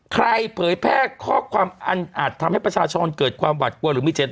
ใครเผยแพร่ข้อความอันอัดทำให้ประชาชนเกิดความหวัดกวนหรือมิเชษ